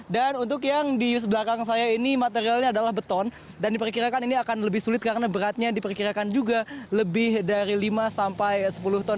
dan untuk yang di sebelah saya ini materialnya adalah beton dan diperkirakan ini akan lebih sulit karena beratnya diperkirakan juga lebih dari lima sampai sepuluh ton